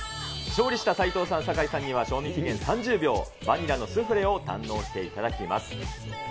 勝利した斉藤さん、酒井さんには賞味期限３０秒、ヴァニラのスフレを堪能していただきます。